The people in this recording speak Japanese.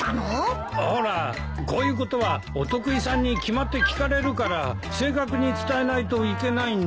ほらこういうことはお得意さんに決まって聞かれるから正確に伝えないといけないんで。